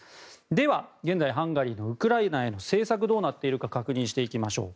では、現在ハンガリーのウクライナへの政策はどうなっているか確認していきましょう。